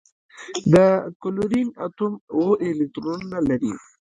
د کلورین اتوم اوه الکترونونه لري.